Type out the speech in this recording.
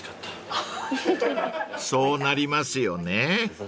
［そうなりますよね］